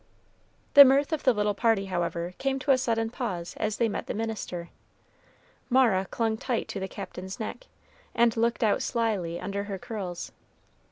The mirth of the little party, however, came to a sudden pause as they met the minister. Mara clung tight to the Captain's neck, and looked out slyly under her curls.